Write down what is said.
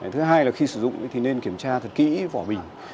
thứ hai là khi sử dụng thì nên kiểm tra thật kỹ vỏ bình